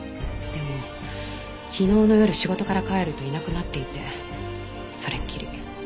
でも昨日の夜仕事から帰るといなくなっていてそれっきり。